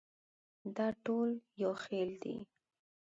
دا ټول یو خېل دي.